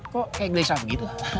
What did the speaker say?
kok kayak gelisah begitu